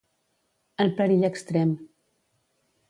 En perill extrem.